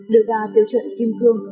đưa ra tiêu chuẩn kim cương